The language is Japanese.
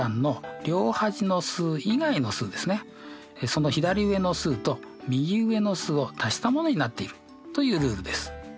その左上の数と右上の数を足したものになっているというルールです。